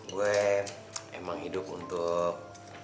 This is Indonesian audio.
gue emang hidup untuk